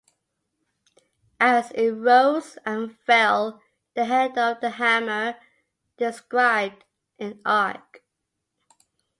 As it rose and fell, the head of the hammer described an arc.